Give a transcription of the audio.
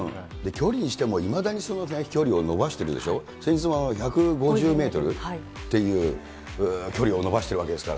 距離にしても、いまだに飛距離を伸ばしてるでしょ、先日も１５０メートルっていう距離を伸ばしてるわけですから。